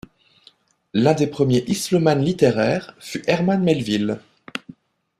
L'un des premiers islomanes littéraires fut Herman Melville.